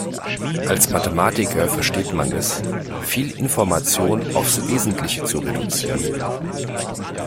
Als Mathematiker versteht man es, viel Information aufs Wesentliche zu reduzieren.